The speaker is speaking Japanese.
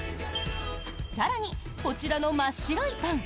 更に、こちらの真っ白いパン。